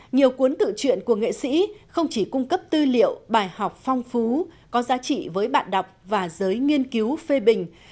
nhiều cuốn tự chuyện của nghệ sĩ không chỉ cung cấp tư liệu bài học phong phú có giá trị với bạn đọc và giới nghiên cứu phê bình